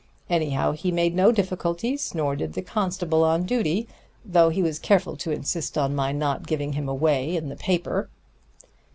Anyhow, he made no difficulties, nor did the constable on duty, though he was careful to insist on my not giving him away in the paper."